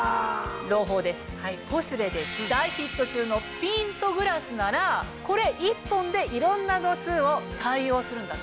朗報です『ポシュレ』で大ヒット中のピントグラスならこれ１本でいろんな度数を対応するんだって。